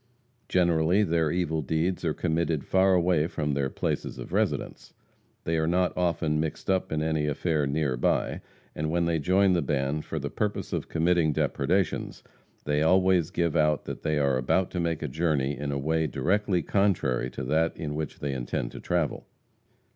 Generally, their evil deeds are committed far away from their places of residence. They are not often mixed up in any affair near by, and when they join the band for the purpose of committing depredations, they always give out that they are about to make a journey in a way directly contrary to that in which they intend to travel.